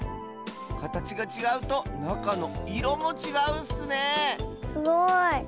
かたちがちがうとなかのいろもちがうッスねえすごい。